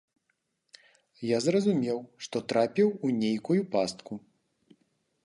Я зразумеў, што трапіў у нейкую пастку.